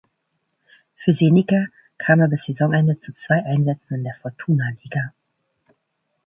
Für Senica kam er bis Saisonende zu zwei Einsätzen in der Fortuna liga.